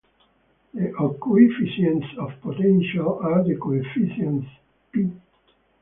The coefficients of potential are the coefficients "p".